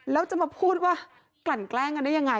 แล้วจะมาพูดว่ากลั่นแกล้งกันได้ยังไง